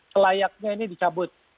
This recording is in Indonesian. selayaknya ini dicabut